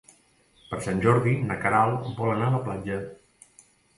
Per Sant Jordi na Queralt vol anar a la platja.